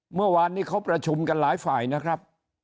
เมื่อวานนี้เขาประชุมกันหลายฝ่ายนะครับ